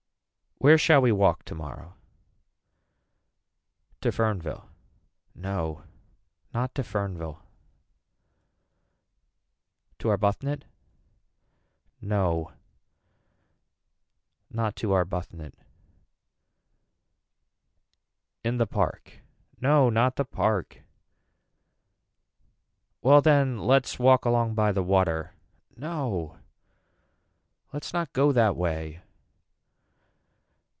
Where shall we walk tomorrow. To Fernville. No not to Fernville. To Arbuthnot. No not to Arbuthnot. In the park. No not the park. Well then let's walk along by the water. No let's not go that way.